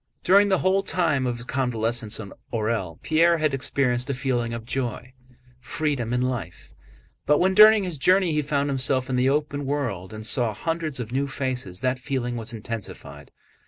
During the whole time of his convalescence in Orël Pierre had experienced a feeling of joy, freedom, and life; but when during his journey he found himself in the open world and saw hundreds of new faces, that feeling was intensified.